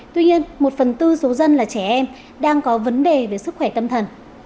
tuy nhiên một phần tư số dân là trẻ em đang có vấn đề về sức khỏe tâm thần